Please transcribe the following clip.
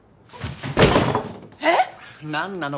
えっ！？何なの？